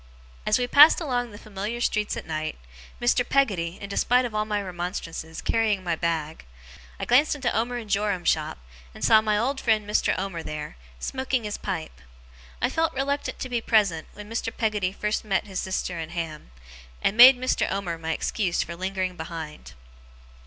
As we passed along the familiar street at night Mr. Peggotty, in despite of all my remonstrances, carrying my bag I glanced into Omer and Joram's shop, and saw my old friend Mr. Omer there, smoking his pipe. I felt reluctant to be present, when Mr. Peggotty first met his sister and Ham; and made Mr. Omer my excuse for lingering behind.